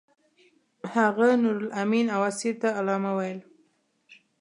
هغه نورالامین او اسیر ته علامه ویل.